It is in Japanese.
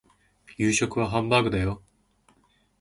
夕食はハンバーグだよ